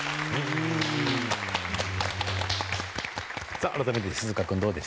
さあ改めて鈴鹿君どうでした？